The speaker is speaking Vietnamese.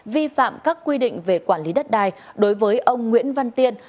vi phạm các quy định về quản lý đất đai đối với ông nguyễn văn tiên